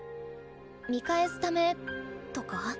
見返すためとか？